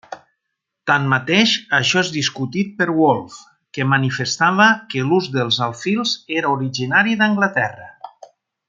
Tanmateix, això és discutit per Woolf, que manifestava que l'ús dels alfils era originari d'Anglaterra.